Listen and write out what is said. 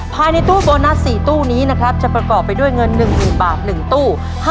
ภายในตู้โบนัสสี่ตู้นี้นะครับจะประกอบไปด้วยเงินหนึ่งหนึ่งบาทหนึ่งตู้